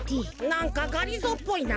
なんかがりぞーっぽいな。